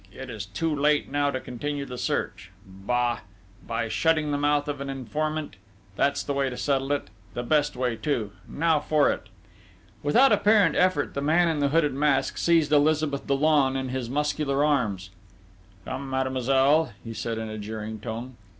It is too late now to continue the search.... Bah! By shutting the mouth of an informant ... that's the way to settle it ... the best way too!... Now for it!..." Without apparent effort, the man in the hooded mask seized Elizabeth Dollon in his muscular arms. "Come, mademoiselle," he said in a jeering tone.